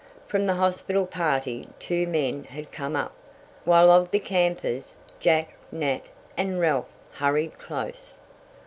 From the hospital party two men had come up, while of the campers, Jack, Nat and Ralph hurried close.